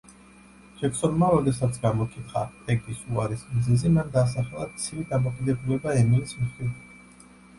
ჯექსონმა როდესაც გამოკითხა პეგის უარის მიზეზი, მან დაასახელა ცივი დამოკიდებულება ემილის მხრიდან.